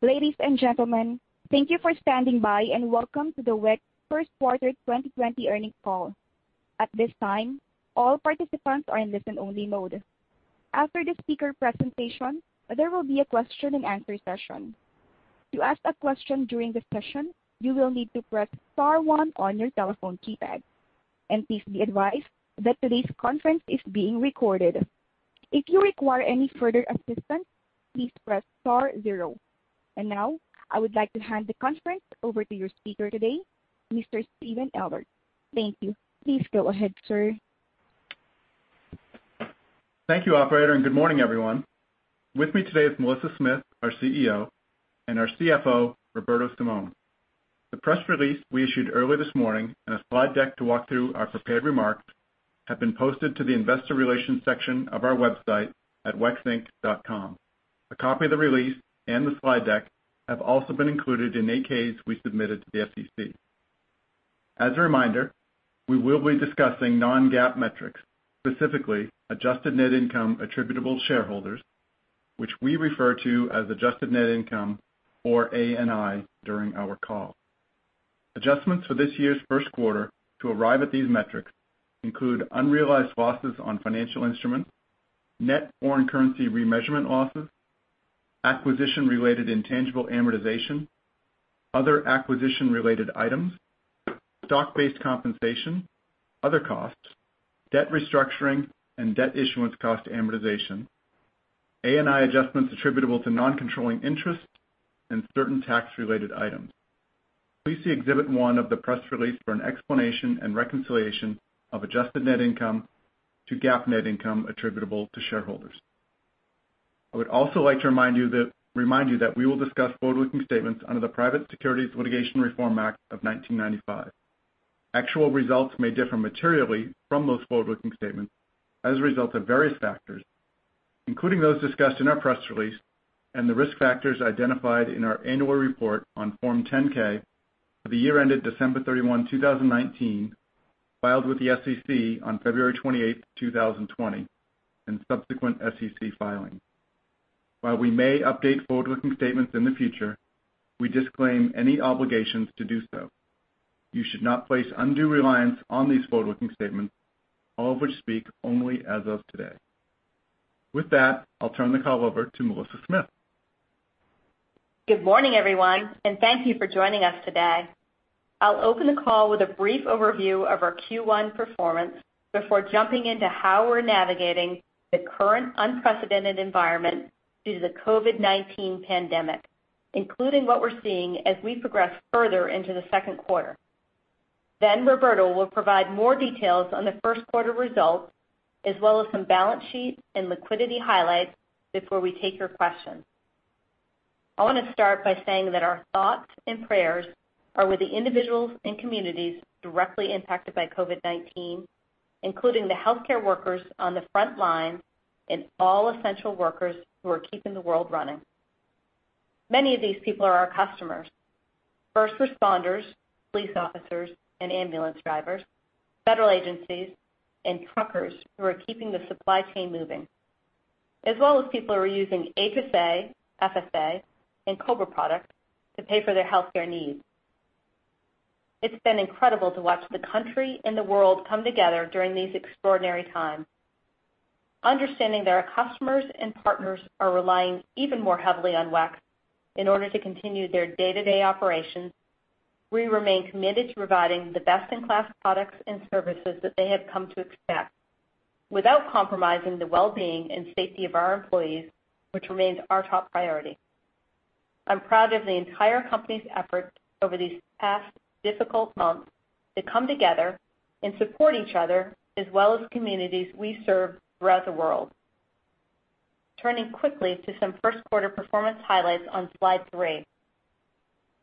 Ladies and gentlemen, thank you for standing by, and welcome to the WEX first quarter 2020 earnings call. At this time, all participants are in listen-only mode. After the speaker presentation, there will be a question-and-answer session. To ask a question during the session, you will need to press star one on your telephone keypad. Please be advised that today's conference is being recorded. If you require any further assistance, please press star zero. Now, I would like to hand the conference over to your speaker today, Mr. Steven Elder. Thank you. Please go ahead, sir. Thank you, operator, and good morning, everyone. With me today is Melissa Smith, our CEO, and our CFO, Roberto Simon. The press release we issued early this morning and a slide deck to walk through our prepared remarks have been posted to the investor relations section of our website at wexinc.com. A copy of the release and the slide deck have also been included in the 8-Ks we submitted to the SEC. As a reminder, we will be discussing non-GAAP metrics, specifically adjusted net income attributable to shareholders, which we refer to as adjusted net income or ANI during our call. Adjustments for this year's first quarter to arrive at these metrics include unrealized losses on financial instruments, net foreign currency remeasurement losses, acquisition-related intangible amortization, other acquisition-related items, stock-based compensation, other costs, debt restructuring and debt issuance cost amortization, ANI adjustments attributable to non-controlling interests, and certain tax-related items. Please see Exhibit 1 of the press release for an explanation and reconciliation of adjusted net income to GAAP net income attributable to shareholders. I would also like to remind you that we will discuss forward-looking statements under the Private Securities Litigation Reform Act of 1995. Actual results may differ materially from those forward-looking statements as a result of various factors, including those discussed in our press release and the risk factors identified in our annual report on Form 10-K for the year ended December 31, 2019, filed with the SEC on February 28, 2020, and subsequent SEC filings. While we may update forward-looking statements in the future, we disclaim any obligations to do so. You should not place undue reliance on these forward-looking statements, all of which speak only as of today. With that, I'll turn the call over to Melissa Smith. Good morning, everyone. Thank you for joining us today. I'll open the call with a brief overview of our Q1 performance before jumping into how we're navigating the current unprecedented environment due to the COVID-19 pandemic, including what we're seeing as we progress further into the second quarter. Roberto will provide more details on the first quarter results, as well as some balance sheet and liquidity highlights before we take your questions. I want to start by saying that our thoughts and prayers are with the individuals and communities directly impacted by COVID-19, including the healthcare workers on the front line and all essential workers who are keeping the world running. Many of these people are our customers. First responders, police officers, and ambulance drivers, federal agencies, and truckers who are keeping the supply chain moving, as well as people who are using HSA, FSA, and COBRA products to pay for their healthcare needs. It's been incredible to watch the country and the world come together during these extraordinary times. Understanding that our customers and partners are relying even more heavily on WEX in order to continue their day-to-day operations, we remain committed to providing the best-in-class products and services that they have come to expect without compromising the well-being and safety of our employees, which remains our top priority. I'm proud of the entire company's effort over these past difficult months to come together and support each other, as well as communities we serve throughout the world. Turning quickly to some first-quarter performance highlights on slide three.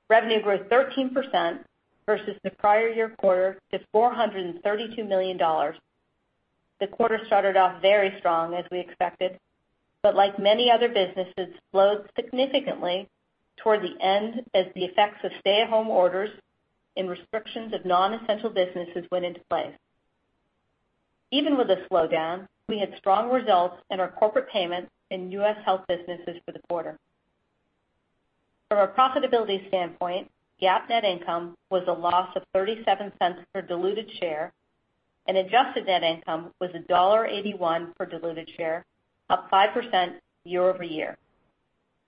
Revenue grew 13% versus the prior year quarter to $432 million. The quarter started off very strong as we expected, like many other businesses, slowed significantly toward the end as the effects of stay-at-home orders and restrictions of non-essential businesses went into place. Even with the slowdown, we had strong results in our corporate payments and US health businesses for the quarter. From a profitability standpoint, GAAP net income was a loss of $0.37 per diluted share, and adjusted net income was $1.81 per diluted share, up 5% year-over-year.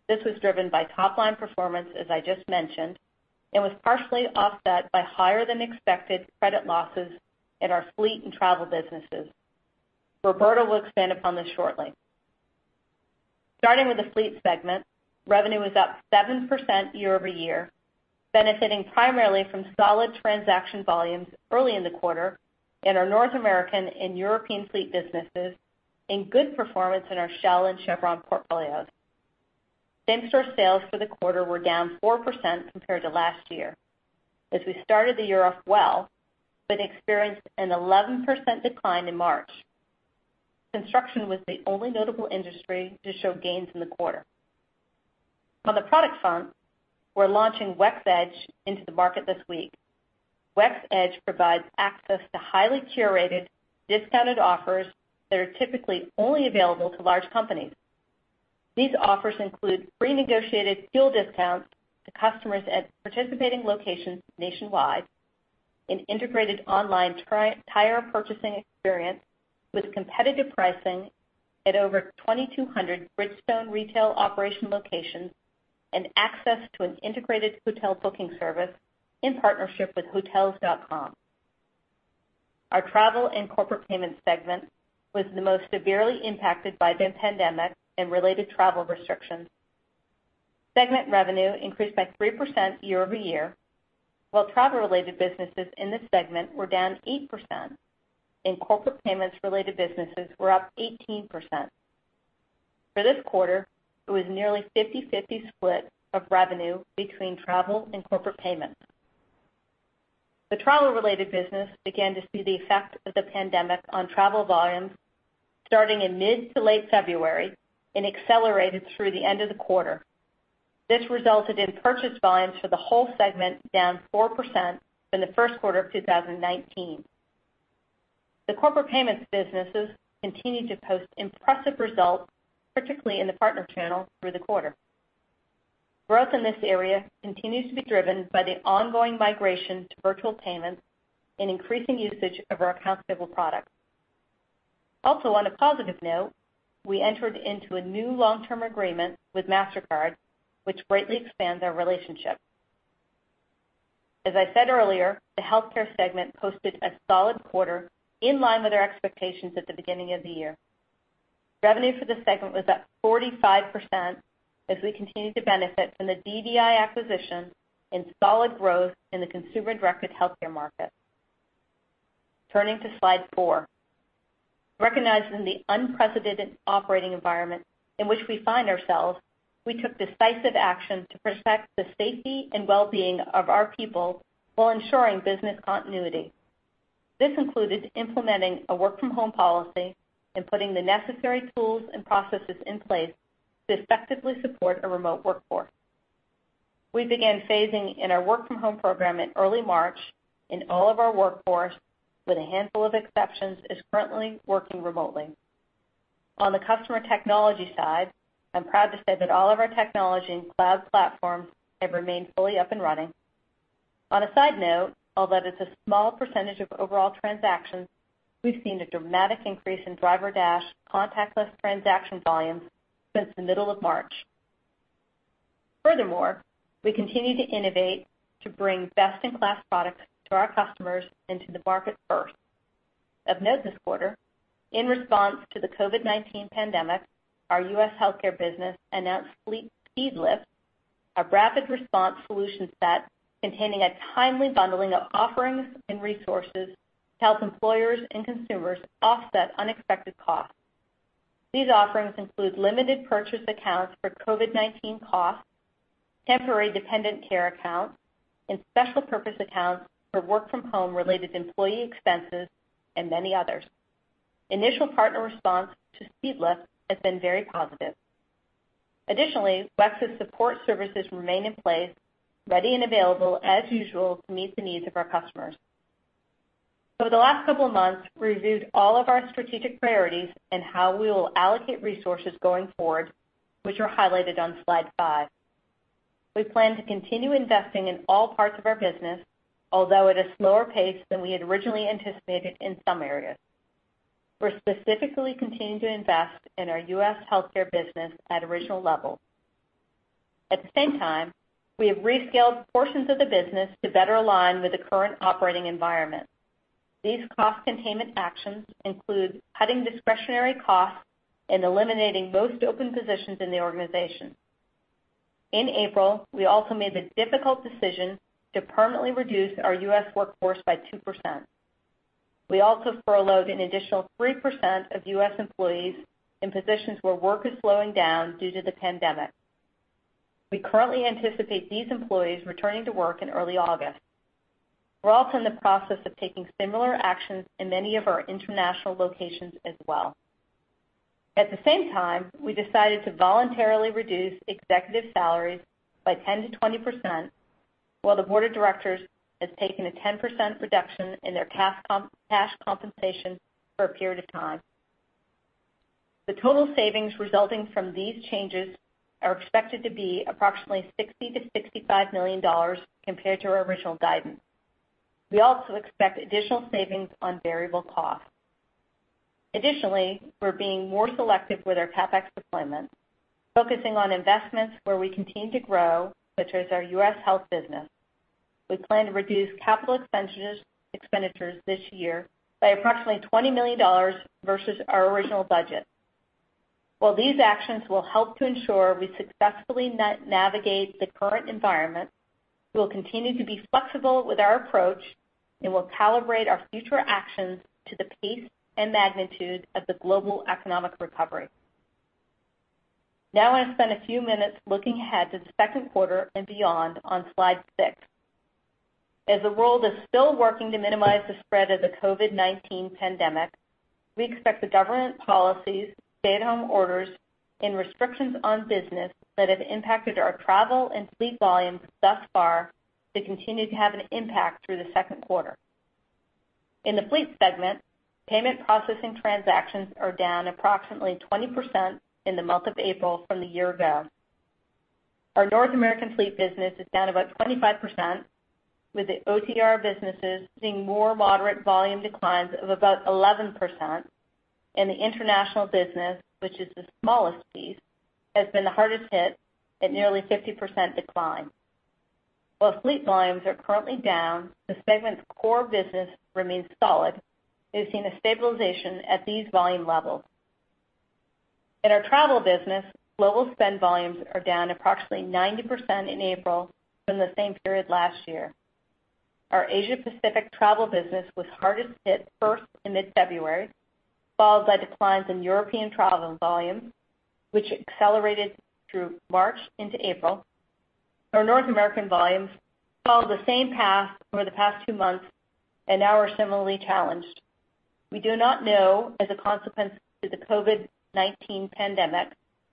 This was driven by top-line performance, as I just mentioned, and was partially offset by higher-than-expected credit losses in our fleet and travel businesses. Roberto will expand upon this shortly. Starting with the fleet segment, revenue was up 7% year-over-year, benefiting primarily from solid transaction volumes early in the quarter in our North American and European fleet businesses and good performance in our Shell and Chevron portfolios. Same-store sales for the quarter were down 4% compared to last year as we started the year off well but experienced an 11% decline in March. Construction was the only notable industry to show gains in the quarter. On the product front, we're launching WEX EDGE into the market this week. WEX EDGE provides access to highly curated, discounted offers that are typically only available to large companies. These offers include pre-negotiated fuel discounts to customers at participating locations nationwide, an integrated online tire purchasing experience with competitive pricing at over 2,200 Bridgestone Retail Operations locations, and access to an integrated hotel booking service in partnership with Hotels.com. Our Travel and Corporate Solutions segment was the most severely impacted by the pandemic and related travel restrictions. Segment revenue increased by 3% year-over-year, while travel-related businesses in this segment were down 8%, and corporate payments-related businesses were up 18%. For this quarter, it was nearly 50/50 split of revenue between Travel and Corporate Solutions. The travel-related business began to see the effect of the pandemic on travel volumes starting in mid to late February and accelerated through the end of the quarter. This resulted in purchase volumes for the whole segment down 4% from the first quarter of 2019. The Corporate Solutions businesses continued to post impressive results, particularly in the partner channel, through the quarter. Growth in this area continues to be driven by the ongoing migration to virtual payments and increasing usage of our accounts payable products. On a positive note, we entered into a new long-term agreement with Mastercard, which greatly expands our relationship. As I said earlier, the healthcare segment posted a solid quarter in line with our expectations at the beginning of the year. Revenue for the segment was up 45% as we continued to benefit from the DBI acquisition and solid growth in the consumer-directed healthcare market. Turning to slide four. Recognizing the unprecedented operating environment in which we find ourselves, we took decisive action to protect the safety and well-being of our people while ensuring business continuity. This included implementing a work-from-home policy and putting the necessary tools and processes in place to effectively support a remote workforce. We began phasing in our work-from-home program in early March, and all of our workforce, with a handful of exceptions, is currently working remotely. On the customer technology side, I'm proud to say that all of our technology and cloud platforms have remained fully up and running. On a side note, although it's a small percentage of overall transactions, we've seen a dramatic increase in DriverDash contactless transaction volumes since the middle of March. Furthermore, we continue to innovate to bring best-in-class products to our customers and to the market first. Of note this quarter, in response to the COVID-19 pandemic, our U.S. healthcare business announced SpeedLift, a rapid response solution set containing a timely bundling of offerings and resources to help employers and consumers offset unexpected costs. These offerings include limited purchase accounts for COVID-19 costs, temporary dependent care accounts, and special purpose accounts for work-from-home related employee expenses, and many others. Initial partner response to SpeedLift has been very positive. Additionally, WEX's support services remain in place, ready and available as usual to meet the needs of our customers. Over the last couple of months, we reviewed all of our strategic priorities and how we will allocate resources going forward, which are highlighted on slide five. We plan to continue investing in all parts of our business, although at a slower pace than we had originally anticipated in some areas. We're specifically continuing to invest in our U.S. healthcare business at original levels. At the same time, we have rescaled portions of the business to better align with the current operating environment. These cost containment actions include cutting discretionary costs and eliminating most open positions in the organization. In April, we also made the difficult decision to permanently reduce our U.S. workforce by 2%. We also furloughed an additional 3% of U.S. employees in positions where work is slowing down due to the pandemic. We currently anticipate these employees returning to work in early August. We're also in the process of taking similar actions in many of our international locations as well. At the same time, we decided to voluntarily reduce executive salaries by 10%-20%, while the board of directors has taken a 10% reduction in their cash compensation for a period of time. The total savings resulting from these changes are expected to be approximately $60 million-$65 million compared to our original guidance. We also expect additional savings on variable costs. Additionally, we're being more selective with our CapEx deployment, focusing on investments where we continue to grow, which is our U.S. health business. We plan to reduce capital expenditures this year by approximately $20 million versus our original budget. While these actions will help to ensure we successfully navigate the current environment, we will continue to be flexible with our approach and will calibrate our future actions to the pace and magnitude of the global economic recovery. I want to spend a few minutes looking ahead to the second quarter and beyond on slide six. As the world is still working to minimize the spread of the COVID-19 pandemic. We expect the government policies, stay-at-home orders, and restrictions on business that have impacted our travel and fleet volumes thus far to continue to have an impact through the second quarter. In the fleet segment, payment processing transactions are down approximately 20% in the month of April from the year ago. Our North American Fleet Solutions business is down about 25%, with the OTR businesses seeing more moderate volume declines of about 11%, and the international business, which is the smallest piece, has been the hardest hit at nearly 50% decline. While Fleet Solutions volumes are currently down, the segment's core business remains solid and is seeing a stabilization at these volume levels. In our Travel and Corporate Solutions business, global spend volumes are down approximately 90% in April from the same period last year. Our Asia-Pacific Travel and Corporate Solutions business was hardest hit first in mid-February, followed by declines in European Travel and Corporate Solutions volumes, which accelerated through March into April. Our North American volumes followed the same path over the past two months and now are similarly challenged. We do not know, as a consequence to the COVID-19 pandemic,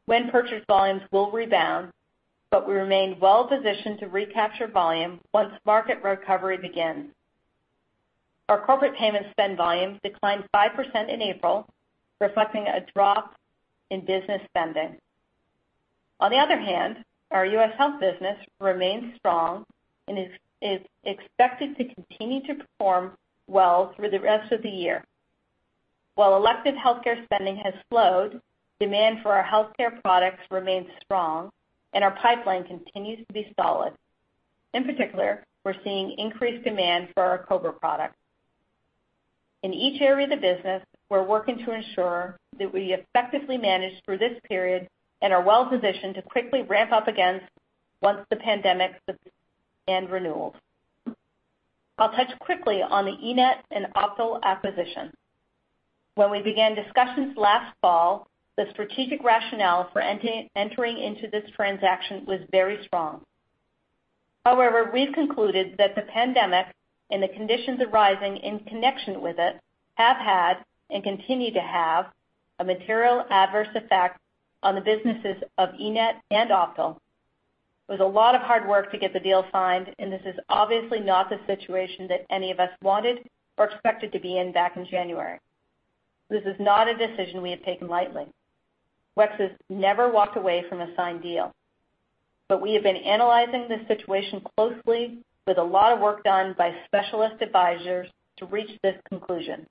when purchase volumes will rebound, but we remain well positioned to recapture volume once market recovery begins. Our corporate payment spend volumes declined 5% in April, reflecting a drop in business spending. On the other hand, our U.S. health business remains strong and is expected to continue to perform well through the rest of the year. While elective healthcare spending has slowed, demand for our healthcare products remains strong, and our pipeline continues to be solid. In particular, we're seeing increased demand for our COVID products. In each area of the business, we're working to ensure that we effectively manage through this period and are well positioned to quickly ramp up again once the pandemic subsides. I'll touch quickly on the eNett and Optal acquisition. When we began discussions last fall, the strategic rationale for entering into this transaction was very strong. We've concluded that the pandemic and the conditions arising in connection with it have had and continue to have a material adverse effect on the businesses of eNett and Optal. It was a lot of hard work to get the deal signed, this is obviously not the situation that any of us wanted or expected to be in back in January. This is not a decision we have taken lightly. WEX has never walked away from a signed deal. We have been analyzing this situation closely with a lot of work done by specialist advisors to reach this conclusion.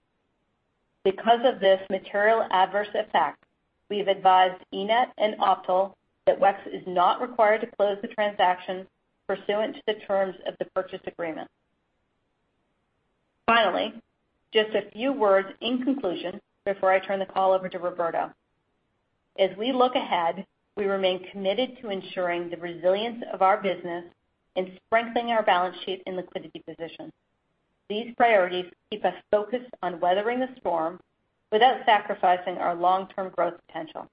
Because of this material adverse effect, we have advised eNett and Optal that WEX is not required to close the transaction pursuant to the terms of the purchase agreement. Finally, just a few words in conclusion before I turn the call over to Roberto. As we look ahead, we remain committed to ensuring the resilience of our business and strengthening our balance sheet and liquidity position. These priorities keep us focused on weathering the storm without sacrificing our long-term growth potential.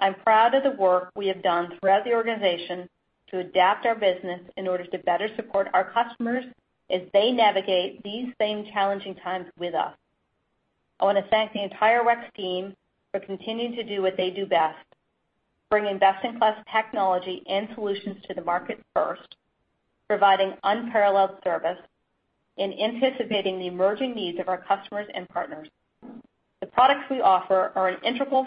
I'm proud of the work we have done throughout the organization to adapt our business in order to better support our customers as they navigate these same challenging times with us. I want to thank the entire WEX team for continuing to do what they do best, bringing best-in-class technology and solutions to the market first, providing unparalleled service, and anticipating the emerging needs of our customers and partners. The products we offer are integral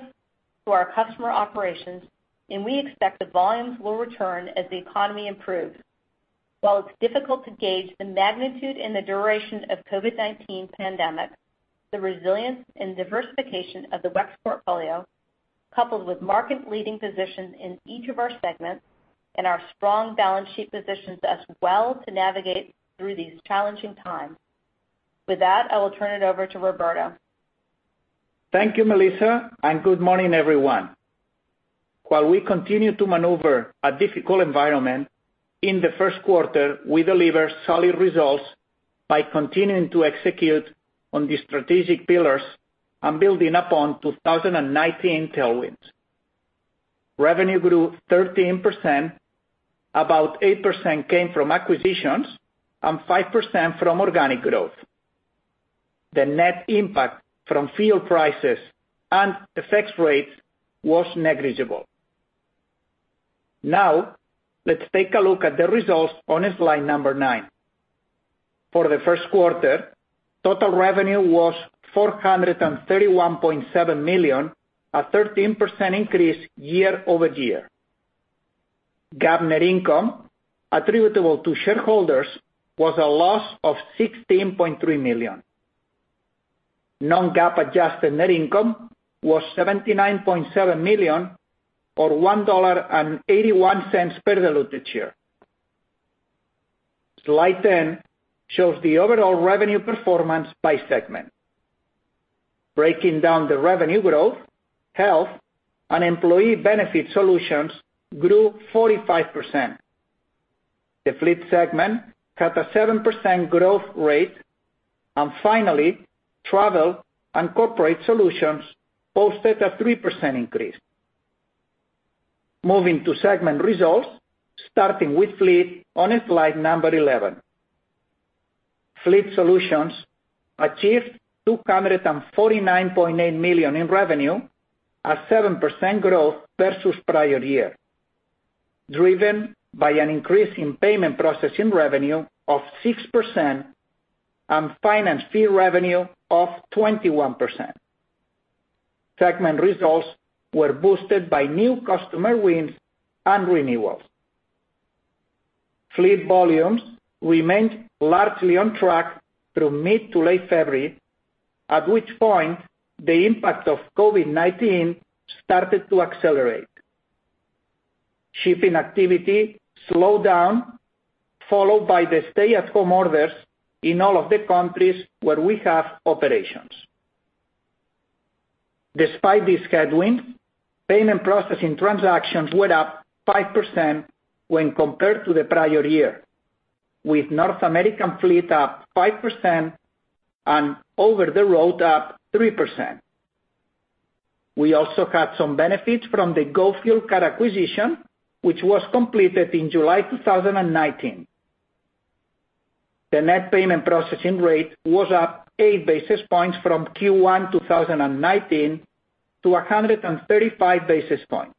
to our customer operations, and we expect the volumes will return as the economy improves. While it's difficult to gauge the magnitude and the duration of COVID-19 pandemic, the resilience and diversification of the WEX portfolio, coupled with market-leading positions in each of our segments and our strong balance sheet positions us well to navigate through these challenging times. With that, I will turn it over to Roberto. Thank you, Melissa, and good morning, everyone. While we continue to maneuver a difficult environment, in the first quarter, we delivered solid results by continuing to execute on the strategic pillars and building upon 2019 tailwinds. Revenue grew 13%, about 8% came from acquisitions, and 5% from organic growth. The net impact from fuel prices and FX rates was negligible. Now, let's take a look at the results on slide number nine. For the first quarter, total revenue was $431.7 million, a 13% increase year-over-year. GAAP net income attributable to shareholders was a loss of $16.3 million. Non-GAAP adjusted net income was $79.7 million, or $1.81 per diluted share. Slide 10 shows the overall revenue performance by segment. Breaking down the revenue growth, Health and Employee Benefit Solutions grew 45%. The Fleet segment had a 7% growth rate, finally, Travel and Corporate Solutions posted a 3% increase. Moving to segment results, starting with Fleet on slide number 11. Fleet Solutions achieved $249.8 million in revenue, a 7% growth versus prior year, driven by an increase in payment processing revenue of 6% and finance fee revenue of 21%. Segment results were boosted by new customer wins and renewals. Fleet volumes remained largely on track through mid to late February, at which point the impact of COVID-19 started to accelerate. Shipping activity slowed down, followed by the stay-at-home orders in all of the countries where we have operations. Despite this headwind, payment processing transactions were up 5% when compared to the prior year, with North American Fleet up 5% and over-the-road up 3%. We also had some benefits from the Go Fuel Card acquisition, which was completed in July 2019. The net payment processing rate was up eight basis points from Q1 2019 to 135 basis points.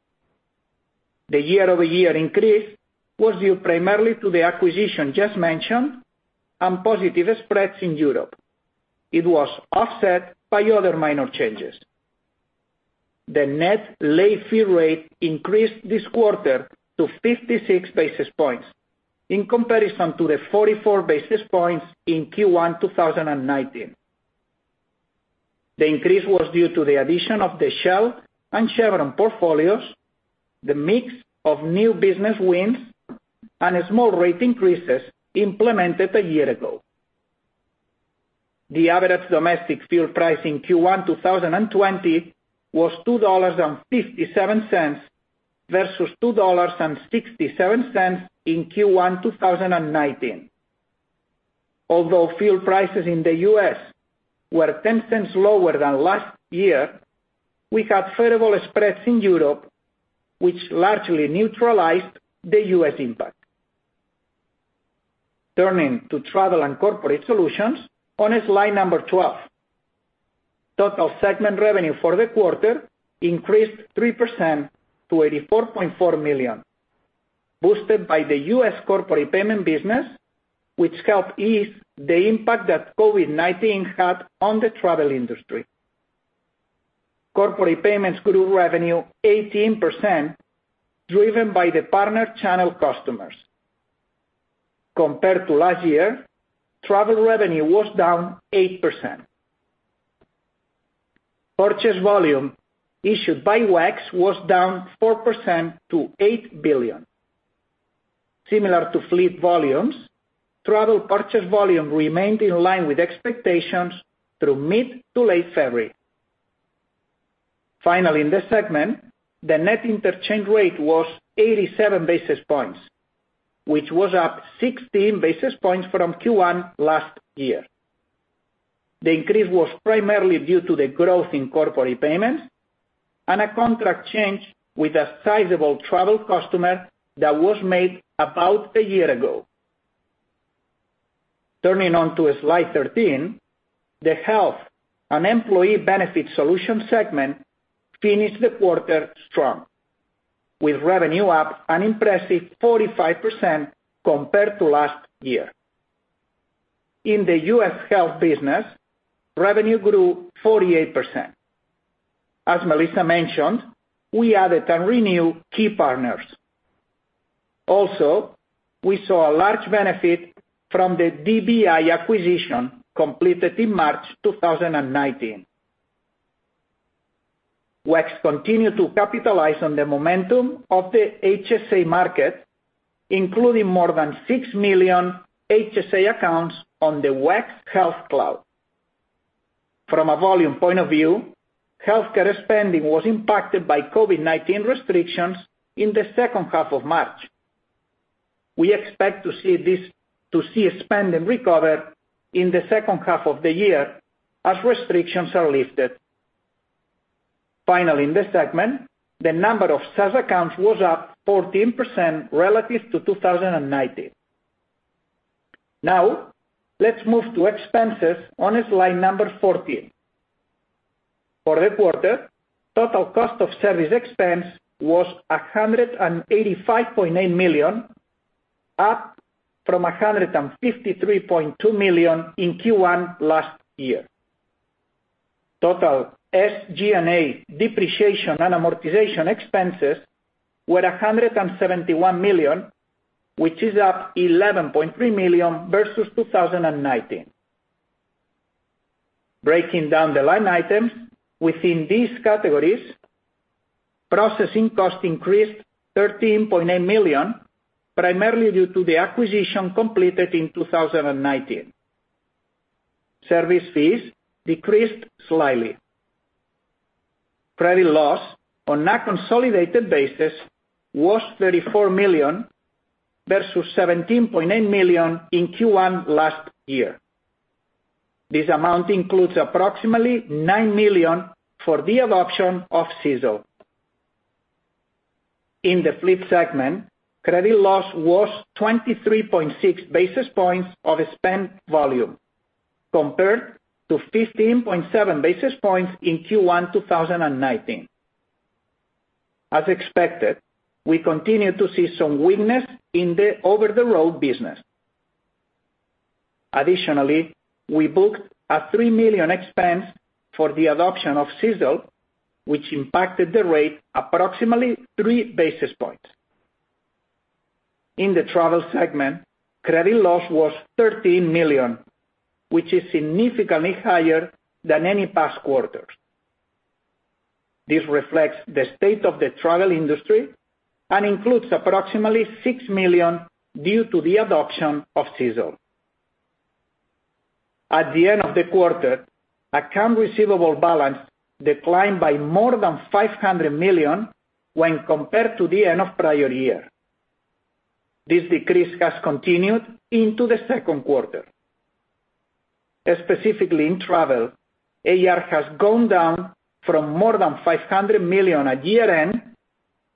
The year-over-year increase was due primarily to the acquisition just mentioned and positive spreads in Europe. It was offset by other minor changes. The net late fee rate increased this quarter to 56 basis points in comparison to the 44 basis points in Q1 2019. The increase was due to the addition of the Shell and Chevron portfolios, the mix of new business wins, and small rate increases implemented a year ago. The average domestic fuel price in Q1 2020 was $2.57 versus $2.67 in Q1 2019. Although fuel prices in the U.S. were $0.10 lower than last year, we had favorable spreads in Europe, which largely neutralized the U.S. impact. Turning to Travel and Corporate Solutions on slide number 12. Total segment revenue for the quarter increased 3% to $84.4 million, boosted by the U.S. corporate payment business, which helped ease the impact that COVID-19 had on the travel industry. Corporate payments grew revenue 18%, driven by the partner channel customers. Compared to last year, travel revenue was down 8%. Purchase volume issued by WEX was down 4% to $8 billion. Similar to fleet volumes, travel purchase volume remained in line with expectations through mid to late February. Finally, in this segment, the net interchange rate was 87 basis points, which was up 16 basis points from Q1 last year. The increase was primarily due to the growth in corporate payments and a contract change with a sizable travel customer that was made about a year ago. Turning on to slide 13, the Health and Employee Benefit Solutions segment finished the quarter strong, with revenue up an impressive 45% compared to last year. In the U.S. health business, revenue grew 48%. As Melissa mentioned, we added and renewed key partners. Also, we saw a large benefit from the DBI acquisition completed in March 2019. WEX continued to capitalize on the momentum of the HSA market, including more than six million HSA accounts on the WEX Health Cloud. From a volume point of view, healthcare spending was impacted by COVID-19 restrictions in the second half of March. We expect to see spending recover in the second half of the year as restrictions are lifted. Finally, in this segment, the number of such accounts was up 14% relative to 2019. Now, let's move to expenses on slide number 14. For the quarter, total cost of service expense was $185.8 million, up from $153.2 million in Q1 last year. Total SG&A depreciation and amortization expenses were $171 million, which is up $11.3 million versus 2019. Breaking down the line items within these categories, processing cost increased $13.8 million, primarily due to the acquisition completed in 2019. Service fees decreased slightly. Credit loss on a consolidated basis was $34 million versus $17.8 million in Q1 last year. This amount includes approximately $9 million for the adoption of CECL. In the Fleet segment, credit loss was 23.6 basis points of spent volume, compared to 15.7 basis points in Q1 2019. As expected, we continue to see some weakness in the over-the-road business. Additionally, we booked a $3 million expense for the adoption of CECL, which impacted the rate approximately three basis points. In the travel segment, credit loss was $13 million, which is significantly higher than any past quarters. This reflects the state of the travel industry and includes approximately $6 million due to the adoption of CECL. At the end of the quarter, account receivable balance declined by more than $500 million when compared to the end of prior year. This decrease has continued into the second quarter. Specifically in travel, AR has gone down from more than $500 million at year-end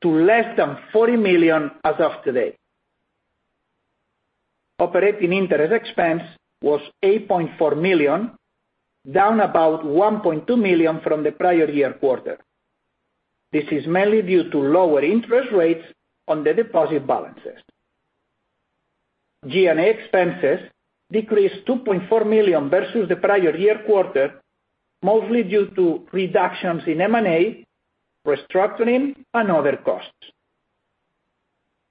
to less than $40 million as of today. Operating interest expense was $8.4 million, down about $1.2 million from the prior year quarter. This is mainly due to lower interest rates on the deposit balances. G&A expenses decreased $2.4 million versus the prior year quarter, mostly due to reductions in M&A, restructuring, and other costs.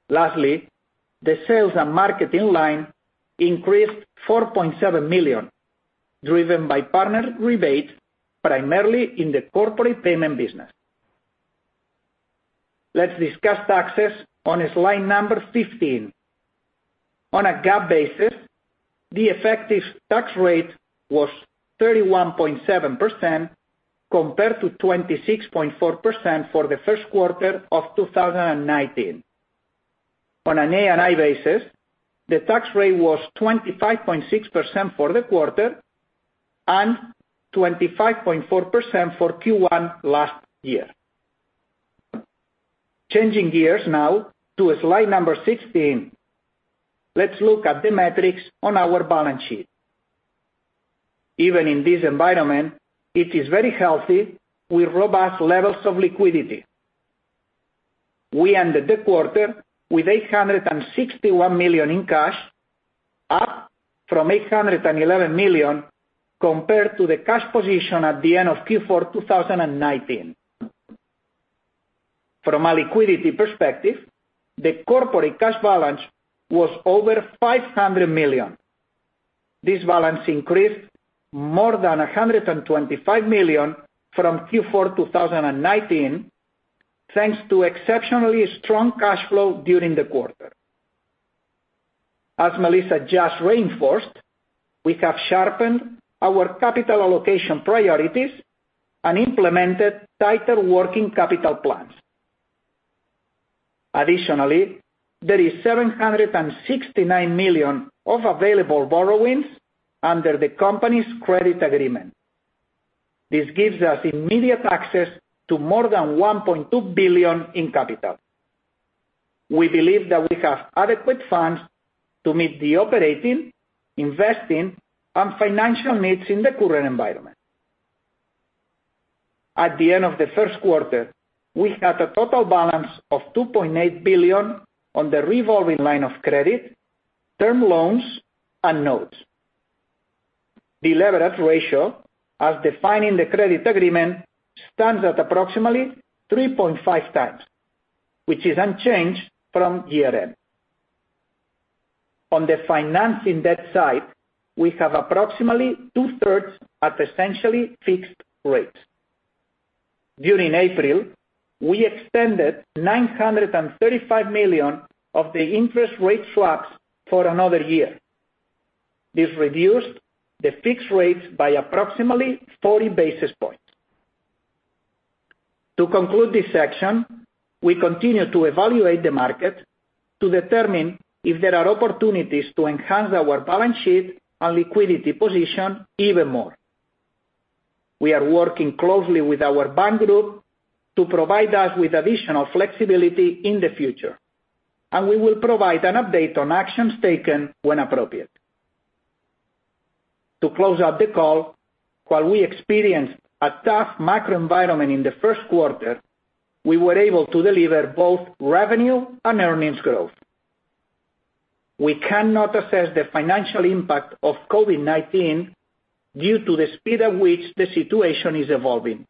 Lastly, the sales and marketing line increased $4.7 million, driven by partner rebates primarily in the corporate payment business. Let's discuss taxes on slide number 15. On a GAAP basis, the effective tax rate was 31.7%, compared to 26.4% for the first quarter of 2019. On an ANI basis, the tax rate was 25.6% for the quarter and 25.4% for Q1 last year. Changing gears now to slide number 16, let's look at the metrics on our balance sheet. Even in this environment, it is very healthy with robust levels of liquidity. We ended the quarter with $861 million in cash, up from $811 million compared to the cash position at the end of Q4 2019. From a liquidity perspective, the corporate cash balance was over $500 million. This balance increased more than $125 million from Q4 2019, thanks to exceptionally strong cash flow during the quarter. As Melissa just reinforced, we have sharpened our capital allocation priorities and implemented tighter working capital plans. Additionally, there is $769 million of available borrowings under the company's credit agreement. This gives us immediate access to more than $1.2 billion in capital. We believe that we have adequate funds to meet the operating, investing, and financial needs in the current environment. At the end of the first quarter, we had a total balance of $2.8 billion on the revolving line of credit, term loans, and notes. The leverage ratio, as defined in the credit agreement, stands at approximately 3.5x, which is unchanged from year-end. On the financing debt side, we have approximately 2/3 at essentially fixed rates. During April, we extended $935 million of the interest rate swaps for another year. This reduced the fixed rates by approximately 40 basis points. To conclude this section, we continue to evaluate the market to determine if there are opportunities to enhance our balance sheet and liquidity position even more. We are working closely with our bank group to provide us with additional flexibility in the future, and we will provide an update on actions taken when appropriate. To close out the call, while we experienced a tough macro environment in the first quarter, we were able to deliver both revenue and earnings growth. We cannot assess the financial impact of COVID-19 due to the speed at which the situation is evolving.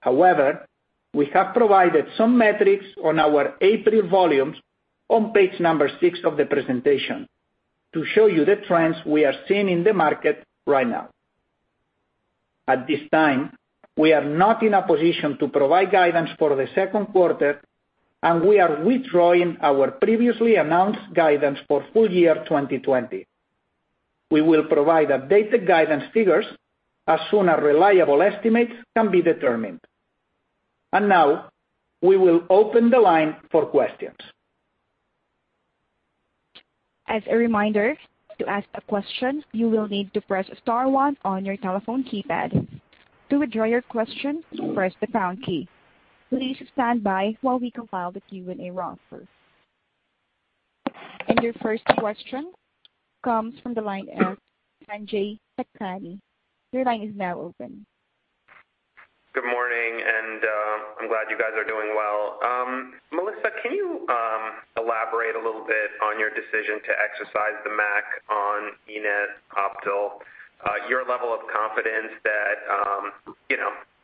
However, we have provided some metrics on our April volumes on page number six of the presentation to show you the trends we are seeing in the market right now. At this time, we are not in a position to provide guidance for the second quarter, and we are withdrawing our previously announced guidance for full-year 2020. We will provide updated guidance figures as soon as reliable estimates can be determined. Now, we will open the line for questions. As a reminder, to ask a question, you will need to press star one on your telephone keypad. To withdraw your question, press the pound key. Please stand by while we compile the Q&A roster. Your first question comes from the line of Sanjay Sakhrani. Your line is now open. Good morning, and I'm glad you guys are doing well. Melissa, can you elaborate a little bit on your decision to exercise the MAC on eNett Optal, your level of confidence that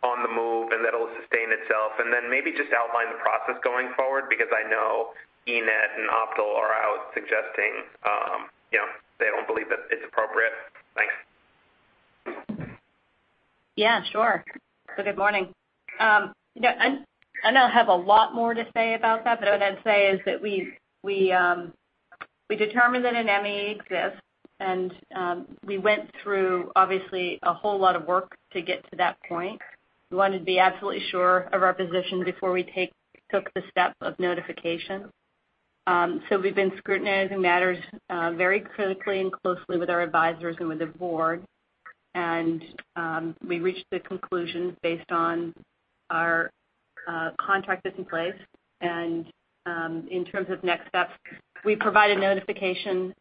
on the move and that it'll sustain itself, and then maybe just outline the process going forward, because I know eNett and Optal are out suggesting they don't believe that it's appropriate. Thanks. Yeah, sure. Good morning. I now have a lot more to say about that, but what I'd say is that we determined that an MAE exists, and we went through obviously a whole lot of work to get to that point. We wanted to be absolutely sure of our position before we took the step of notification. We've been scrutinizing matters very critically and closely with our advisors and with the board. We reached the conclusion based on our contract that's in place. In terms of next steps, we provided notification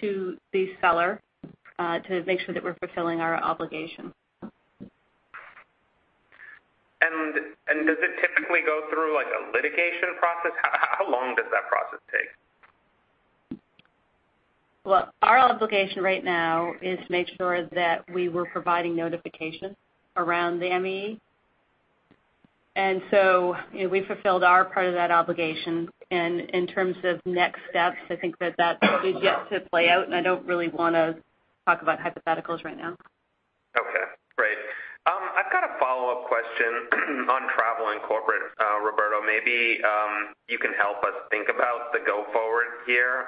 to the seller to make sure that we're fulfilling our obligation. Does it typically go through a litigation process? How long does that process take? Well, our obligation right now is to make sure that we were providing notification around the MAE. We fulfilled our part of that obligation. In terms of next steps, I think that that is yet to play out, and I don't really want to talk about hypotheticals right now. Okay, great. I've got a follow-up question on Travel and Corporate. Roberto, maybe you can help us think about the go forward here.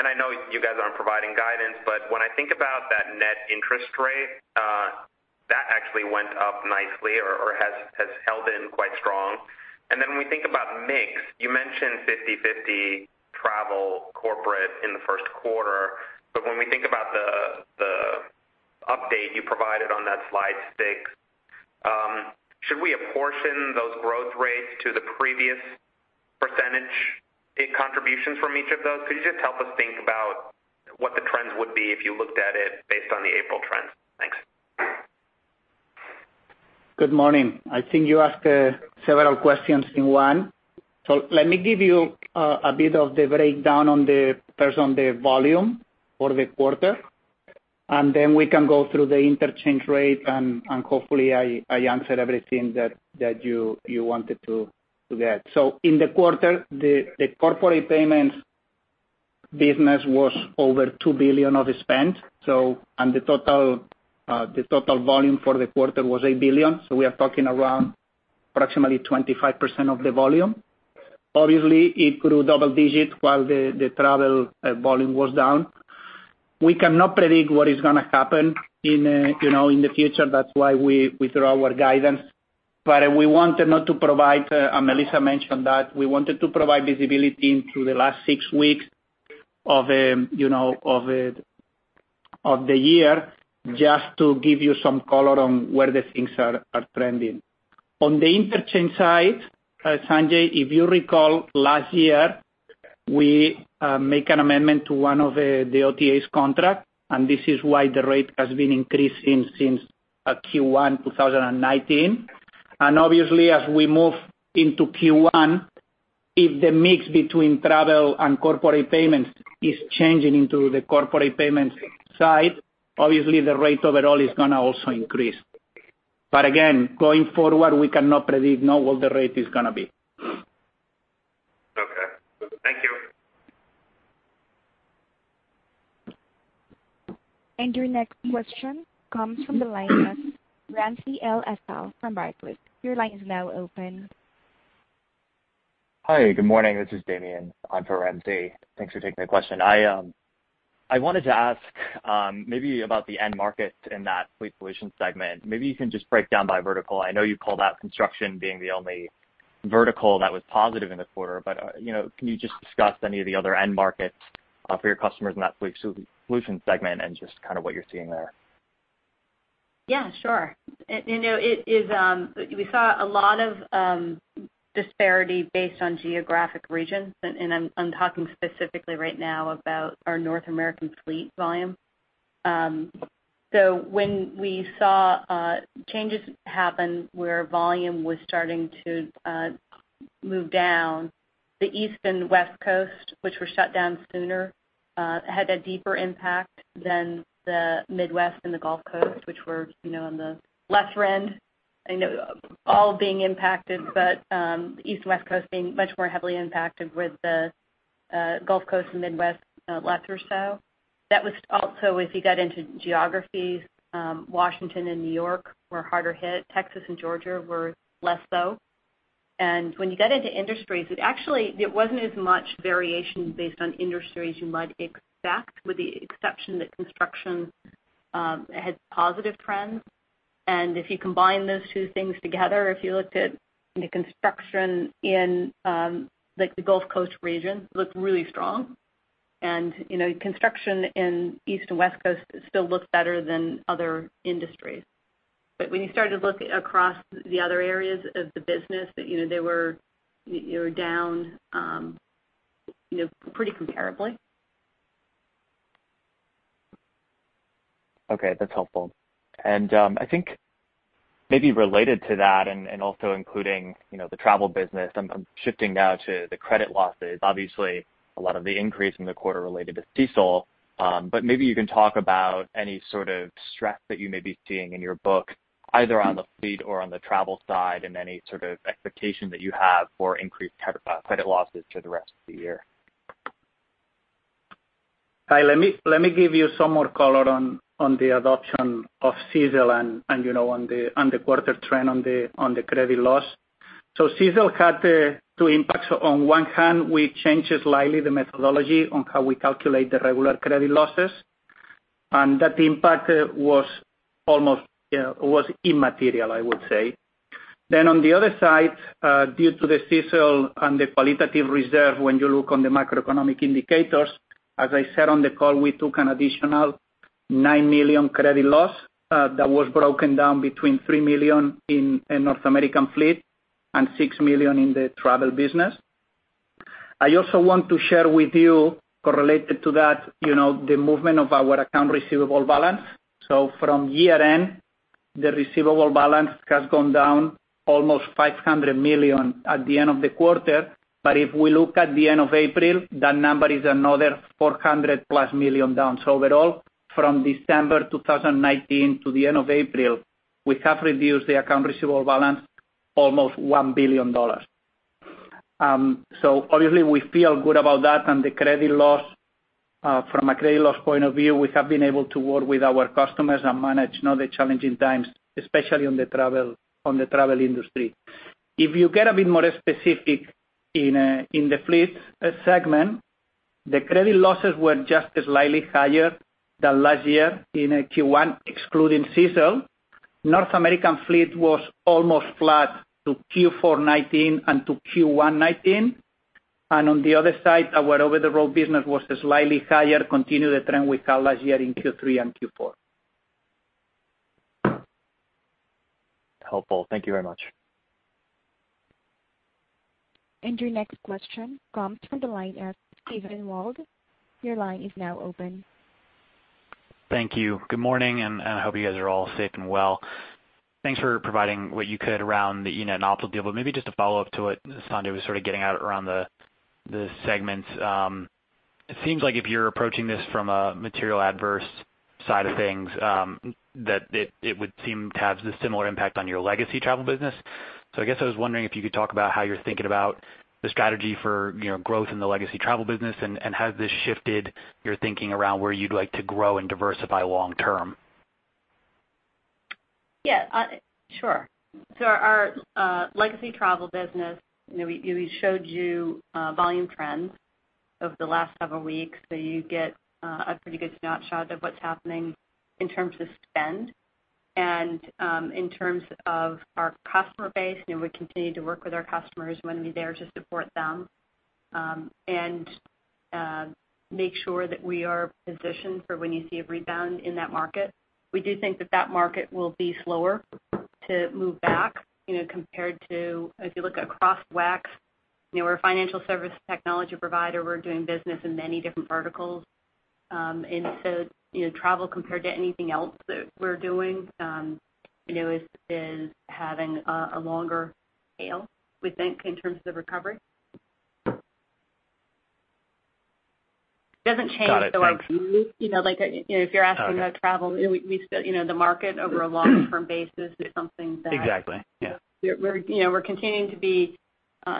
I know you guys aren't providing guidance, when I think about that net interest rate, that actually went up nicely or has held in quite strong. When we think about mix, you mentioned 50/50 Travel Corporate in the first quarter. When we think about the update you provided on that slide six, should we apportion those growth rates to the previous percentage in contributions from each of those? Could you just help us think about what the trends would be if you looked at it based on the April trends? Thanks. Good morning. I think you asked several questions in one. Let me give you a bit of the breakdown on the volume for the quarter, and then we can go through the interchange rate, and hopefully I answered everything that you wanted to get. In the quarter, the corporate payments business was over $2 billion of spend. The total volume for the quarter was $8 billion, so we are talking around approximately 25% of the volume. Obviously, it grew double digit while the travel volume was down. We cannot predict what is going to happen in the future. That's why we withdraw our guidance. We wanted not to provide, and Melissa mentioned that, we wanted to provide visibility into the last six weeks of the year, just to give you some color on where the things are trending. On the interchange side, Sanjay, if you recall last year, we make an amendment to one of the OTA's contract, and this is why the rate has been increasing since Q1 2019. Obviously, as we move into Q1, if the mix between travel and corporate payments is changing into the corporate payments side, obviously the rate overall is going to also increase. Again, going forward, we cannot predict now what the rate is going to be. Okay. Thank you. Your next question comes from the line of Ramsey El-Assal from Barclays. Your line is now open. Hi, good morning. This is Damian in for Ramsey. Thanks for taking my question. I wanted to ask maybe about the end market in that Fleet Solutions segment. Maybe you can just break down by vertical. I know you called out construction being the only vertical that was positive in the quarter. Can you just discuss any of the other end markets for your customers in that Fleet Solutions segment and just what you're seeing there? Yeah, sure. We saw a lot of disparity based on geographic regions. I'm talking specifically right now about our North American fleet volume. When we saw changes happen where volume was starting to move down, the East Coast and West Coast, which were shut down sooner, had a deeper impact than the Midwest and the Gulf Coast, which were on the lesser trend. All being impacted. East Coast, West Coast being much more heavily impacted with the Gulf Coast and Midwest less so. That was also if you got into geographies, Washington and New York were harder hit. Texas and Georgia were less so. When you got into industries, it actually wasn't as much variation based on industries you might expect, with the exception that construction had positive trends. If you combine those two things together, if you looked at the construction in the Gulf Coast region, it looked really strong. Construction in East and West Coast still looks better than other industries. When you started to look across the other areas of the business, they were down pretty comparably. Okay, that's helpful. I think maybe related to that, and also including the travel business, I'm shifting now to the credit losses. Obviously, a lot of the increase in the quarter related to CECL, but maybe you can talk about any sort of stress that you may be seeing in your book, either on the fleet or on the travel side, and any sort of expectation that you have for increased credit losses for the rest of the year. Hi, let me give you some more color on the adoption of CECL and on the quarter trend on the credit loss. CECL had two impacts. On one hand, we changed slightly the methodology on how we calculate the regular credit losses. That impact was immaterial, I would say. On the other side, due to the CECL and the qualitative reserve, when you look on the macroeconomic indicators, as I said on the call, we took an additional $9 million credit loss that was broken down between $3 million in North American fleet and $6 million in the travel business. I also want to share with you, correlated to that, the movement of our account receivable balance. From year-end, the receivable balance has gone down almost $500 million at the end of the quarter. If we look at the end of April, that number is another $400+ million down. Overall, from December 2019 to the end of April, we have reduced the account receivable balance almost $1 billion. Obviously, we feel good about that. From a credit loss point of view, we have been able to work with our customers and manage the challenging times, especially on the travel industry. If you get a bit more specific in the fleet segment, the credit losses were just slightly higher than last year in Q1, excluding CECL. North American fleet was almost flat to Q4 2019 and to Q1 2019. On the other side, our over-the-road business was slightly higher, continuing the trend we saw last year in Q3 and Q4. Helpful. Thank you very much. Your next question comes from the line of Steven Wald. Your line is now open. Thank you. Good morning. I hope you guys are all safe and well. Thanks for providing what you could around the eNett and Optal deal. Maybe just a follow-up to what Sanjay was sort of getting at around the segments. It seems like if you're approaching this from a material adverse side of things, that it would seem to have the similar impact on your legacy travel business. I guess I was wondering if you could talk about how you're thinking about the strategy for growth in the legacy travel business, and has this shifted your thinking around where you'd like to grow and diversify long-term? Yeah. Sure. Our legacy travel business, we showed you volume trends over the last several weeks, so you get a pretty good snapshot of what's happening in terms of spend. In terms of our customer base, we continue to work with our customers. We want to be there to support them and make sure that we are positioned for when you see a rebound in that market. We do think that that market will be slower to move back, compared to if you look across WEX, we're a financial service technology provider. We're doing business in many different verticals. Travel compared to anything else that we're doing is having a longer tail, we think, in terms of recovery. Doesn't change our view. Got it. Thanks. If you're asking about travel, the market over a long-term basis is something. Exactly. Yeah We're continuing to be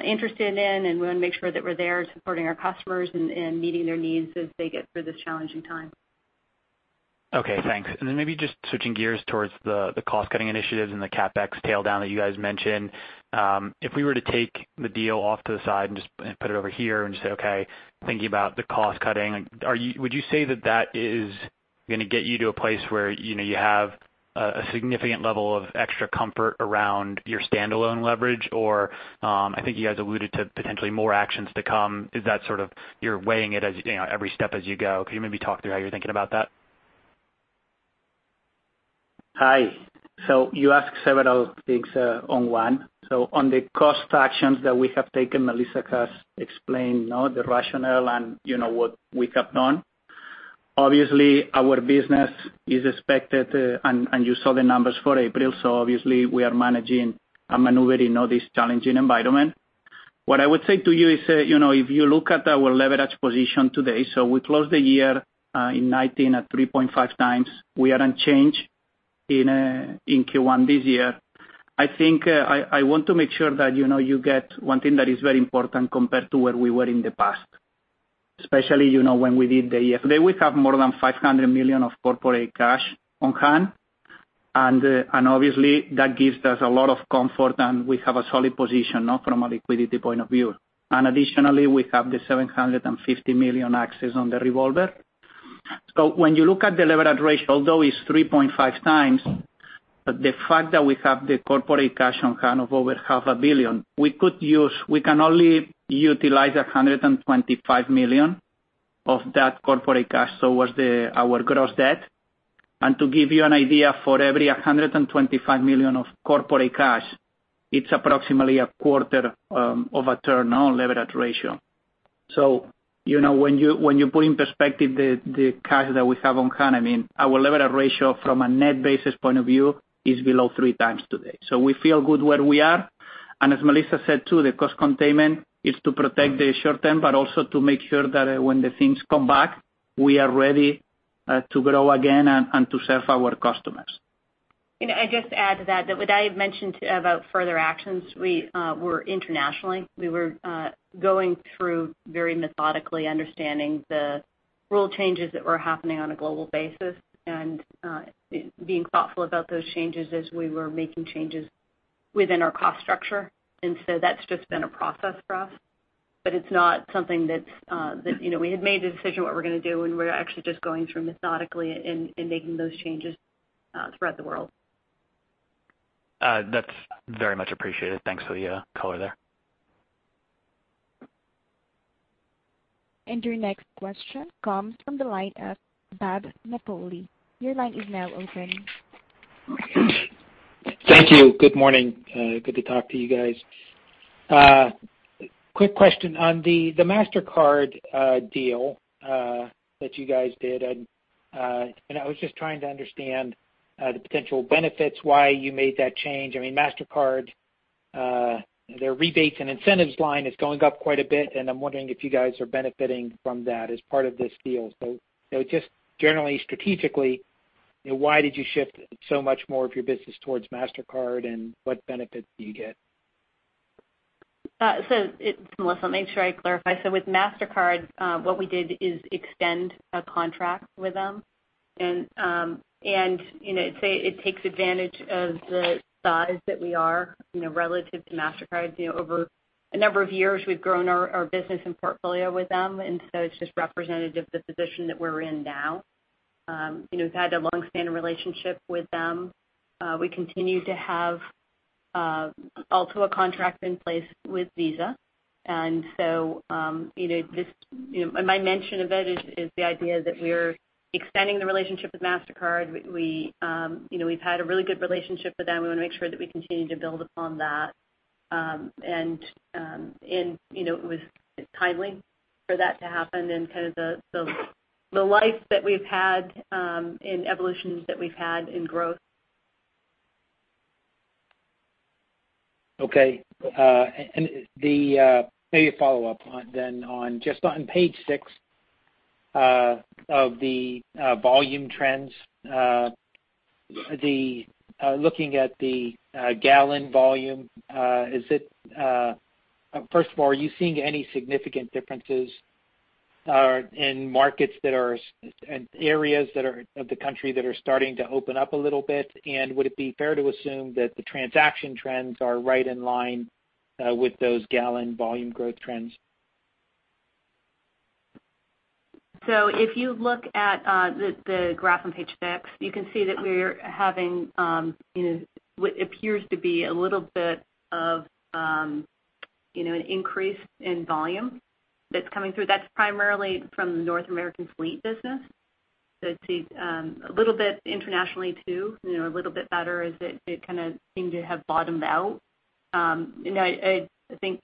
interested in, and we want to make sure that we're there supporting our customers and meeting their needs as they get through this challenging time. Okay, thanks. Maybe just switching gears towards the cost-cutting initiatives and the CapEx tail down that you guys mentioned. If we were to take the deal off to the side and just put it over here and just say, okay, thinking about the cost-cutting, would you say that that is going to get you to a place where you have a significant level of extra comfort around your standalone leverage? I think you guys alluded to potentially more actions to come. Is that sort of, you're weighing it every step as you go? Can you maybe talk through how you're thinking about that? Hi. You asked several things on one. On the cost actions that we have taken, Melissa has explained the rationale and what we have done. Obviously, our business is expected, and you saw the numbers for April. Obviously, we are managing and maneuvering all this challenging environment. What I would say to you is, if you look at our leverage position today. We closed the year in 2019 at 3.5x. We are unchanged in Q1 this year. I think I want to make sure that you get one thing that is very important compared to where we were in the past, especially when we did the EF. Today, we have more than $500 million of corporate cash on hand, and obviously, that gives us a lot of comfort, and we have a solid position from a liquidity point of view. Additionally, we have the $750 million access on the revolver. When you look at the leverage ratio, although it's 3.5x, the fact that we have the corporate cash on hand of over half a billion, we can only utilize $125 million of that corporate cash towards our gross debt. To give you an idea, for every $125 million of corporate cash, it's approximately a quarter of a turn on leverage ratio. When you put in perspective the cash that we have on hand, our leverage ratio from a net basis point of view is below 3x today. We feel good where we are. As Melissa said too, the cost containment is to protect the short-term, but also to make sure that when the things come back, we are ready to grow again and to serve our customers. I just add to that what I had mentioned about further actions were internationally. We were going through very methodically understanding the rule changes that were happening on a global basis and being thoughtful about those changes as we were making changes within our cost structure. That's just been a process for us. We had made the decision what we're going to do, and we're actually just going through methodically and making those changes throughout the world. That's very much appreciated. Thanks for the color there. Your next question comes from the line of Bob Napoli. Your line is now open. Thank you. Good morning. Good to talk to you guys. Quick question on the Mastercard deal that you guys did. I was just trying to understand the potential benefits, why you made that change. Mastercard, their rebates and incentives line is going up quite a bit. I'm wondering if you guys are benefiting from that as part of this deal. Just generally strategically, why did you shift so much more of your business towards Mastercard? What benefits do you get? It's Melissa, make sure I clarify. With Mastercard, what we did is extend a contract with them. It takes advantage of the size that we are relative to Mastercard. Over a number of years, we've grown our business and portfolio with them, it's just representative of the position that we're in now. We've had a long-standing relationship with them. We continue to have also a contract in place with Visa. My mention of it is the idea that we're extending the relationship with Mastercard. We've had a really good relationship with them. We want to make sure that we continue to build upon that. It was timely for that to happen and kind of the life that we've had and evolutions that we've had in growth. Okay. Maybe a follow-up then on just on page six of the volume trends. Looking at the gallon volume, first of all, are you seeing any significant differences in markets and areas of the country that are starting to open up a little bit? Would it be fair to assume that the transaction trends are right in line with those gallon volume growth trends? If you look at the graph on page six, you can see that we're having what appears to be a little bit of an increase in volume that's coming through. That's primarily from the North American fleet business. It's a little bit internationally, too, a little bit better as it kind of seemed to have bottomed out. I think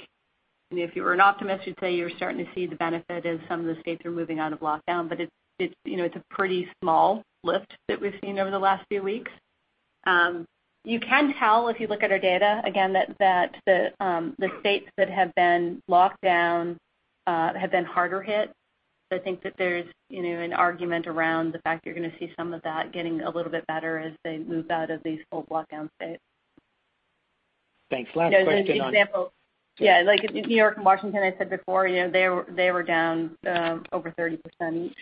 if you were an optimist, you'd say you're starting to see the benefit as some of the states are moving out of lockdown. It's a pretty small lift that we've seen over the last few weeks. You can tell if you look at our data again, that the states that have been locked down have been harder hit. I think that there's an argument around the fact you're going to see some of that getting a little bit better as they move out of these full lockdown states. Thanks. Last question on- Yeah, like New York and Washington, I said before, they were down over 30% each.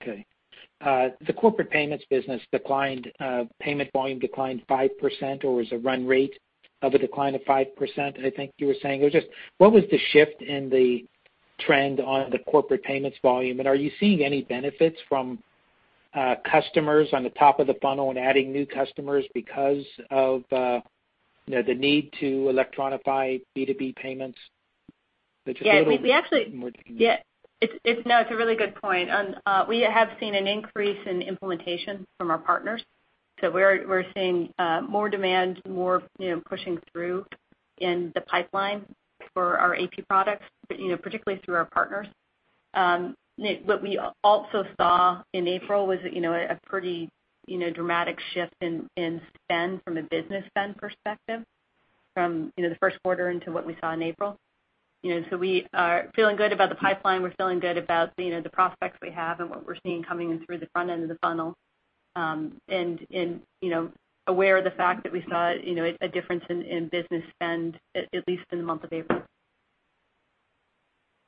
Okay. The corporate payments business declined, payment volume declined 5%, or it was a run rate of a decline of 5%, I think you were saying. What was the shift in the trend on the corporate payments volume? Are you seeing any benefits from customers on the top of the funnel and adding new customers because of the need to electronify B2B payments? Just a little more. Yeah, it's a really good point. We have seen an increase in implementation from our partners. We're seeing more demand, more pushing through in the pipeline for our AP products, particularly through our partners. What we also saw in April was a pretty dramatic shift in spend from a business spend perspective from the first quarter into what we saw in April. We are feeling good about the pipeline. We're feeling good about the prospects we have and what we're seeing coming in through the front end of the funnel. We are aware of the fact that we saw a difference in business spend, at least in the month of April.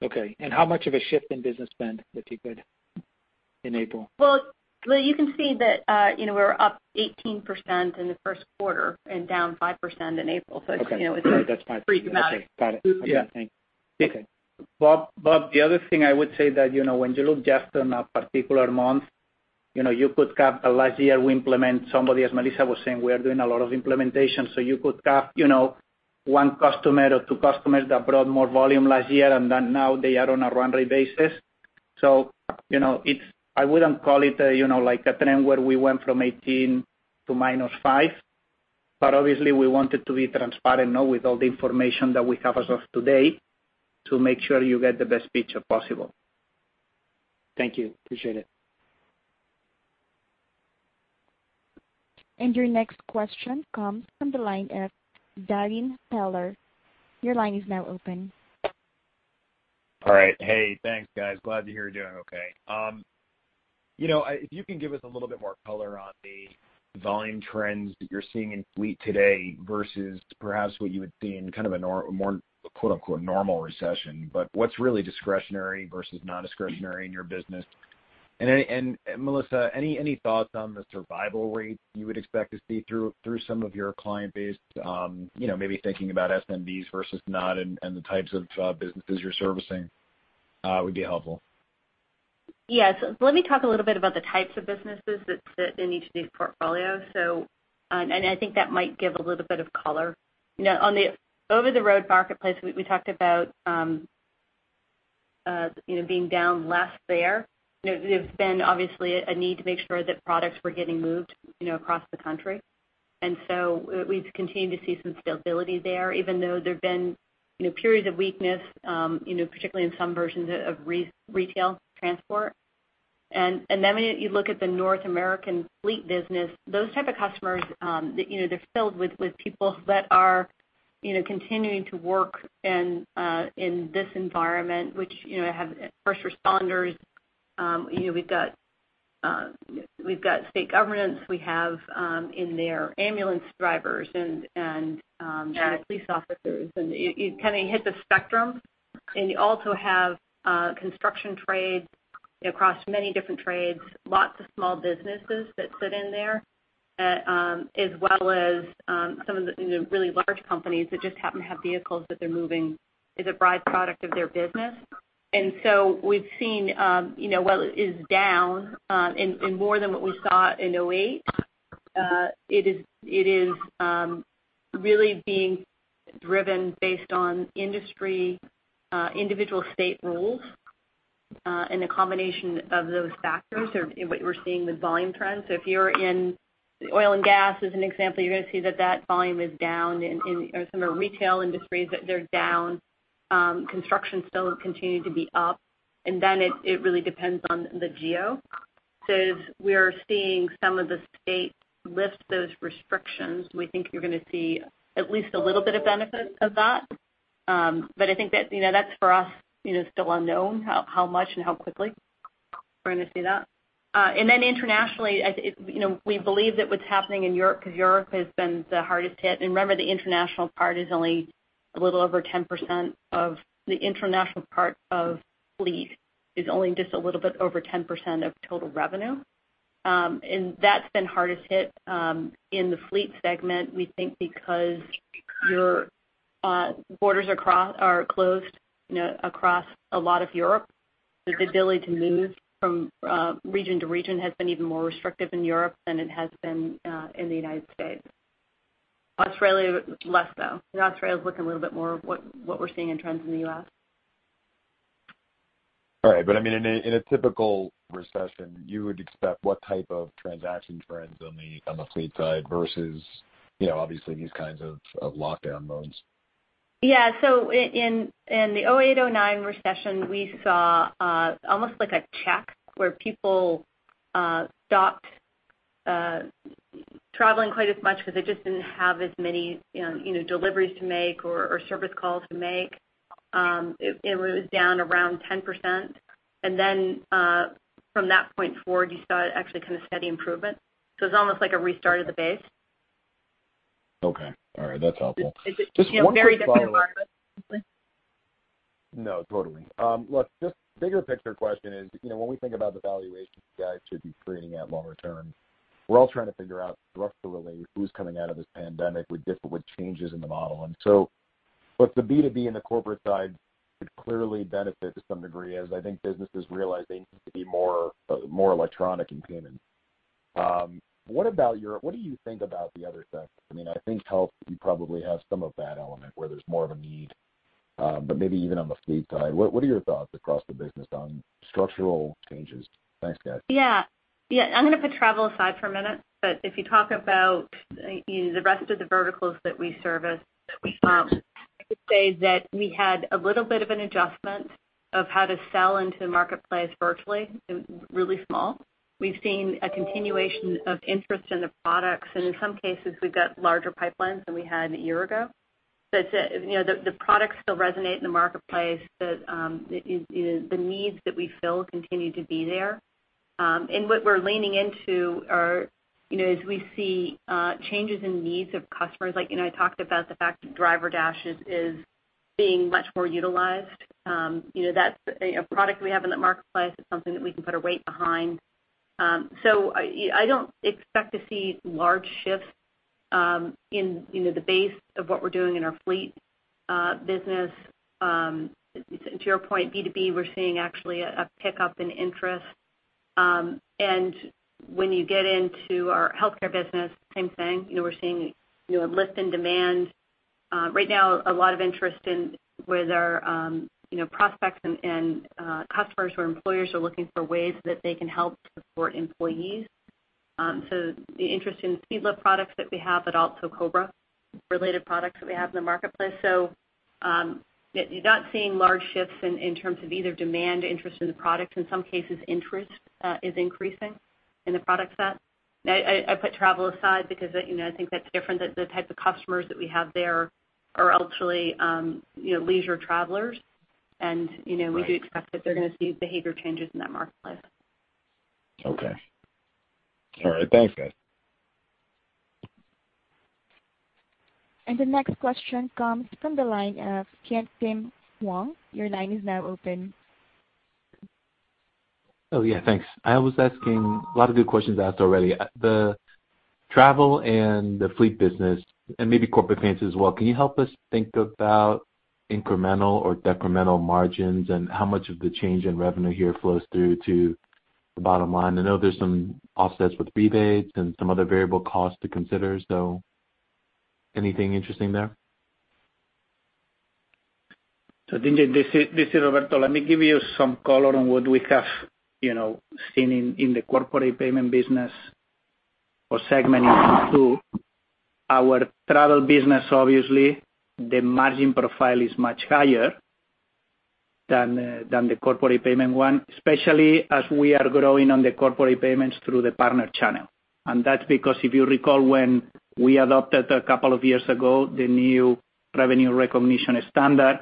Okay, how much of a shift in business spend, if you could, in April? Well, you can see that we're up 18% in the first quarter and down 5% in April. Okay. That's fine pretty dramatic. Okay, got it. Yeah, thanks. Okay. Bob, the other thing I would say that when you look just on a particular month, you could have last year we implement somebody, as Melissa was saying, we are doing a lot of implementation. You could have one customer or two customers that brought more volume last year, and then now they are on a run-rate basis. I wouldn't call it like a trend where we went from 18 to -5. Obviously we wanted to be transparent now with all the information that we have as of today, to make sure you get the best picture possible. Thank you. Appreciate it. Your next question comes from the line of Darrin Peller. Your line is now open. All right. Hey, thanks, guys. Glad to hear you're doing okay. If you can give us a little bit more color on the volume trends that you're seeing in fleet today versus perhaps what you would see in a more "normal recession," but what's really discretionary versus non-discretionary in your business? Melissa, any thoughts on the survival rate you would expect to see through some of your client base? Maybe thinking about SMBs versus not and the types of businesses you're servicing would be helpful. Yes. Let me talk a little bit about the types of businesses that sit in each of these portfolios. I think that might give a little bit of color. On the over-the-road marketplace, we talked about being down less there. There's been obviously a need to make sure that products were getting moved across the country. We've continued to see some stability there, even though there have been periods of weakness, particularly in some versions of retail transport. When you look at the North American fleet business, those type of customers, they're filled with people that are continuing to work in this environment, which have first responders, we've got state governments, we have in there ambulance drivers police officers, you kind of hit the spectrum. You also have construction trade across many different trades, lots of small businesses that sit in there, as well as some of the really large companies that just happen to have vehicles that they're moving as a byproduct of their business. We've seen while it is down, and more than what we saw in 2008, it is really being driven based on industry, individual state rules, and the combination of those factors are what we're seeing with volume trends. If you're in oil and gas as an example, you're going to see that that volume is down in some of the retail industries, that they're down. Construction still has continued to be up, then it really depends on the geo. As we are seeing some of the states lift those restrictions, we think you're going to see at least a little bit of benefit of that. I think that's for us still unknown how much and how quickly we're going to see that. Then internationally, we believe that what's happening in Europe, because Europe has been the hardest hit, and remember, the international part of fleet is only just a little bit over 10% of total revenue. That's been hardest hit in the fleet segment, we think because your borders are closed across a lot of Europe. The ability to move from region to region has been even more restrictive in Europe than it has been in the U.S. Australia, less so. Australia's looking a little bit more what we're seeing in trends in the U.S. All right. In a typical recession, you would expect what type of transaction trends on the fleet side versus, obviously these kinds of lockdown modes? In the 2008/2009 recession, we saw almost like a check where people stopped traveling quite as much because they just didn't have as many deliveries to make or service calls to make. It was down around 10%. From that point forward, you saw actually kind of steady improvement. It's almost like a restart of the base. Okay. All right. That's helpful. It's a very different environment. No, totally. Look, just bigger picture question is, when we think about the valuations you guys should be creating at longer term, we're all trying to figure out structurally who's coming out of this pandemic with different changes in the model. Look, the B2B and the corporate side could clearly benefit to some degree as I think businesses realize they need to be more electronic in payment. What do you think about the other sectors? I think health, you probably have some of that element where there's more of a need, but maybe even on the fleet side, what are your thoughts across the business on structural changes? Thanks, guys. Yeah. I'm going to put travel aside for a minute. If you talk about the rest of the verticals that we service, I would say that we had a little bit of an adjustment of how to sell into the marketplace virtually, really small. We've seen a continuation of interest in the products, and in some cases, we've got larger pipelines than we had a year ago. The products still resonate in the marketplace. The needs that we fill continue to be there. What we're leaning into are as we see changes in needs of customers, like I talked about the fact that DriverDash is being much more utilized. That's a product we have in the marketplace. It's something that we can put our weight behind. I don't expect to see large shifts in the base of what we're doing in our fleet business. To your point, B2B, we're seeing actually a pickup in interest. When you get into our healthcare business, same thing. We're seeing a lift in demand. Right now, a lot of interest in where there are prospects and customers or employers who are looking for ways that they can help support employees. The interest in SpeedLift products that we have, but also COBRA-related products that we have in the marketplace. You're not seeing large shifts in terms of either demand interest in the product. In some cases, interest is increasing in the product set. I put travel aside because I think that's different, that the type of customers that we have there are ultimately leisure travelers, and we do expect that they're going to see behavior changes in that marketplace. Okay. All right. Thanks, guys. The next question comes from the line of Kent Kim Wong. Your line is now open. Oh, yeah. Thanks. A lot of good questions asked already. The travel and the fleet business, and maybe corporate finance as well, can you help us think about incremental or decremental margins and how much of the change in revenue here flows through to the bottom line? I know there's some offsets with rebates and some other variable costs to consider, so anything interesting there? This is Roberto. Let me give you some color on what we have seen in the corporate payment business or segment in Q2. Our travel business, obviously, the margin profile is much higher than the corporate payment one, especially as we are growing on the corporate payments through the partner channel. That's because if you recall when we adopted a couple of years ago, the new revenue recognition standard.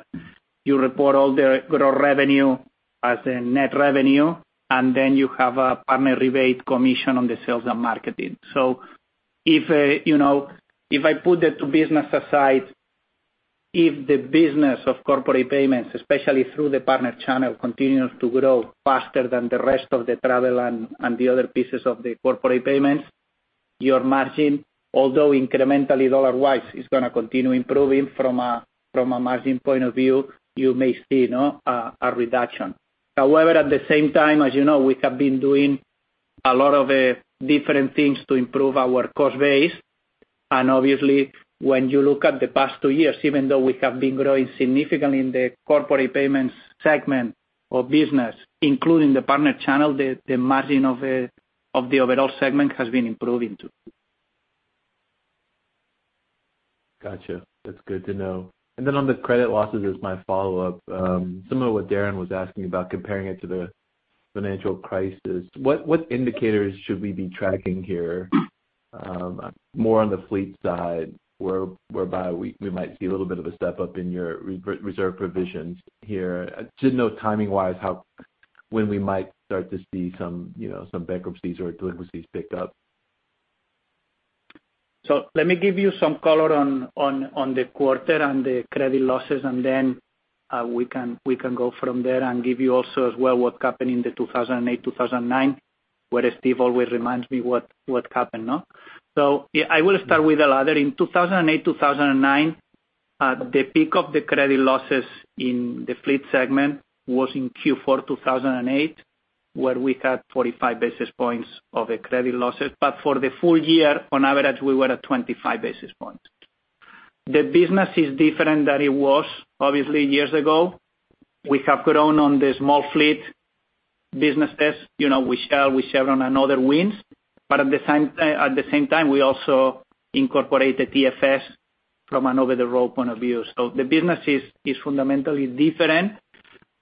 You report all the gross revenue as a net revenue, and then you have a partner rebate commission on the sales and marketing. If I put the two business aside, if the business of corporate payments, especially through the partner channel, continues to grow faster than the rest of the travel and the other pieces of the corporate payments, your margin, although incrementally dollar-wise, is going to continue improving from a margin point of view, you may see a reduction. However, at the same time, as you know, we have been doing a lot of different things to improve our cost base. Obviously, when you look at the past two years, even though we have been growing significantly in the corporate payments segment or business, including the partner channel, the margin of the overall segment has been improving, too. Got you. That's good to know. Then on the credit losses is my follow-up. Similar what Darrin was asking about comparing it to the financial crisis. What indicators should we be tracking here? More on the fleet side, whereby we might see a little bit of a step up in your reserve provisions here. Just know timing-wise, when we might start to see some bankruptcies or delinquencies picked up. Let me give you some color on the quarter and the credit losses, and then we can go from there and give you also as well what happened in the 2008/2009, where Steve always reminds me what happened. I will start with the latter. In 2008/2009, the peak of the credit losses in the fleet segment was in Q4 2008, where we had 45 basis points of the credit losses. For the full-year, on average, we were at 25 basis points. The business is different than it was obviously years ago. We have grown on the small fleet businesses. We share on another wins. At the same time, we also incorporated EFS from an overall point of view. The business is fundamentally different,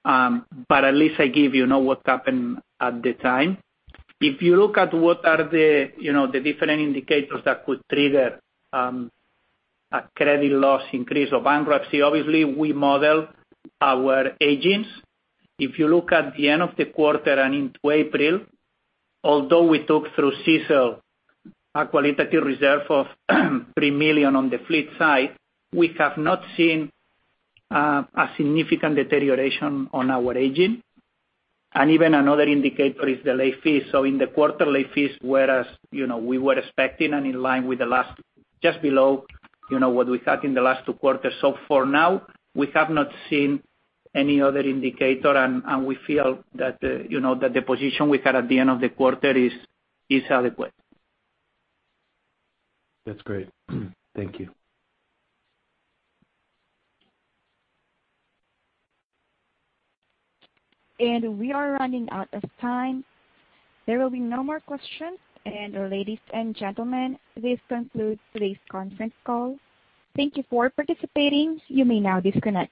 but at least I give you know what happened at the time. If you look at what are the different indicators that could trigger a credit loss increase or bankruptcy, obviously, we model our agents. If you look at the end of the quarter and into April, although we took through CECL, a qualitative reserve of $3 million on the fleet side, we have not seen a significant deterioration on our agent. Even another indicator is the late fees. In the quarter, late fees, whereas we were expecting and in line with just below what we had in the last two quarters. For now, we have not seen any other indicator, and we feel that the position we had at the end of the quarter is adequate. That's great. Thank you. We are running out of time. There will be no more questions. Ladies and gentlemen, this concludes today's conference call. Thank you for participating. You may now disconnect.